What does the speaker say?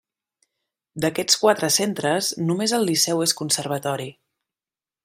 D'aquests quatre centres només el Liceu és conservatori.